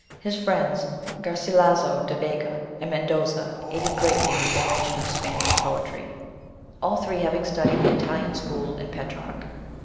His friends Garcilaso di Vega and Men doza aided greatly in the formation of Spanish poetry, all three having studied the Italian school and Petrarch.